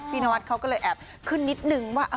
นวัดเขาก็เลยแอบขึ้นนิดนึงว่า